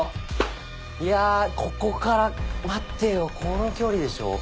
いやここから待てよこの距離でしょ？